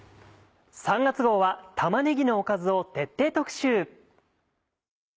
３月号は玉ねぎのおかずを徹底特集。